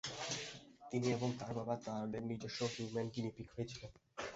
তিনি এবং তাঁর বাবা তাদের নিজস্ব "হিউম্যান গিনি পিগ" হয়েছিলেন।